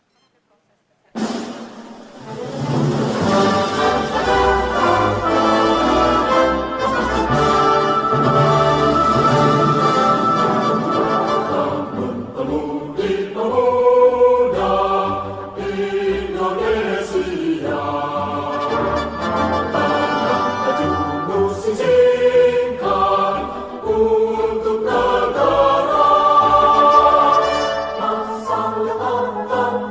serta memasuki sekolah maingan